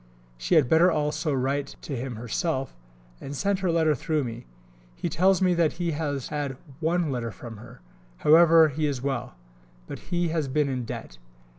She had better also write to him herself, and send her letter through me. He tells me that he has had one letter from her. However he is well, but he has been in debt.